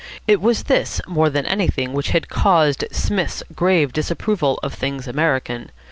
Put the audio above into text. It was this more than anything which had caused Psmith's grave disapproval of things American.